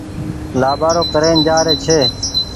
لآٻآرو ڪرين جآري ڇي۔